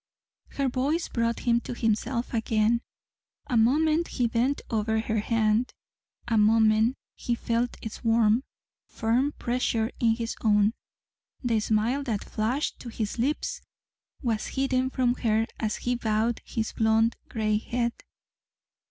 Her voice brought him to himself again. A moment he bent over her hand. A moment he felt its warm, firm pressure in his own. The smile that flashed to his lips was hidden from her as he bowed his blond gray head.